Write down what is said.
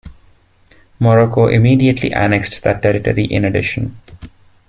Morocco immediately annexed that territory in addition.